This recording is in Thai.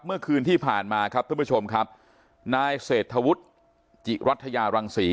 เมื่อคืนที่ผ่านมาครับท่านผู้ชมครับนายเศรษฐวุฒิจิรัฐยารังศรี